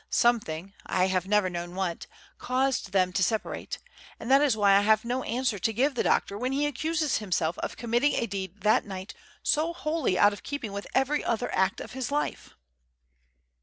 Something I have never known what caused them to separate, and that is why I have no answer to give the doctor when he accuses himself of committing a deed that night so wholly out of keeping with every other act of his life."